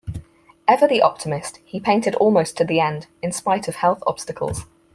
Ever the optimist, he painted almost to the end, in spite of health obstacles.